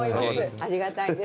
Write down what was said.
ありがたいです。